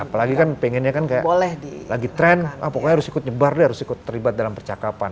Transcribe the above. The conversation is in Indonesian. apalagi kan pengennya kan kayak lagi trend pokoknya harus ikut nyebar deh harus ikut terlibat dalam percakapan